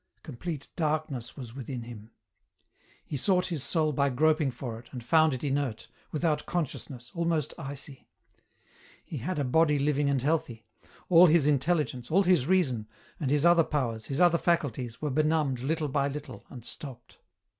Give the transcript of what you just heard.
Complete darkness was within him. He sought his soul by groping for it, and found it inert, without consciousness, almost icy. He had a body living and healthy ; all his inteUigence, all his reason, and has other EN ROUTE. 245 powers, his other faculties, were benumbed little by little, and stopped.